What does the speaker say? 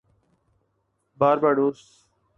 Barbados